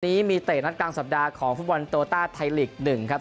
นี้มีเตะนัดกลางสัปดาห์ของฟุตบอลโตต้าไทยลีก๑ครับ